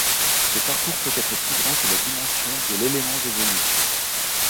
Ce parcours peut être plus grand que la dimension de l'élément de volume.